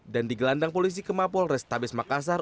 dan digelandang polisi ke mapolrestabes makassar